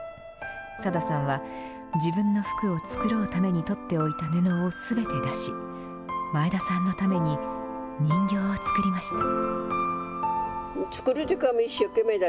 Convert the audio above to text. サダさんは、自分の服を繕うために取っておいた布をすべて出し、前田さんのために人形を作りました。